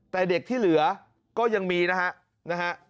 แต่เด็กที่เหลือก็ยังมีนะฮะนะฮะ